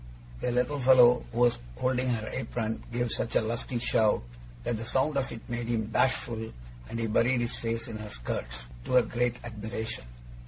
The little fellow, who was holding her apron, gave such a lusty shout, that the sound of it made him bashful, and he buried his face in her skirts, to her great admiration.